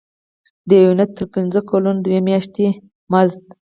د یو نه تر پنځه کلونو دوه میاشتې مزد.